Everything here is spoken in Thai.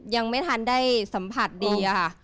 ยังไม่ทันได้สัมผัสดีค่ะ